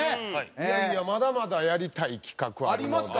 いやいやまだまだやりたい企画は。ありますか？